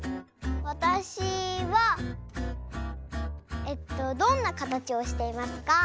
わたしはえっとどんなかたちをしていますか？